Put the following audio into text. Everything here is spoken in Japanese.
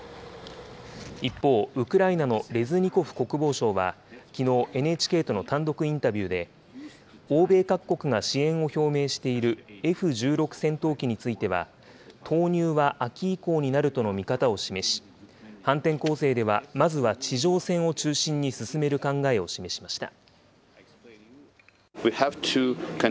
一方、ウクライナのレズニコフ国防相は、きのう、ＮＨＫとの単独インタビューで、欧米各国が支援を表明しているＦ１６戦闘機については、投入は秋以降になるとの見方を示し、反転攻勢ではまずは地上戦を中心に進める考えを示しました。